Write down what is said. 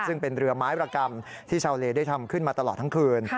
ซึ่งเป็นเรือไม้ประกรรมที่ชาวเลได้ทำขึ้นมาตลอดทั้งคืน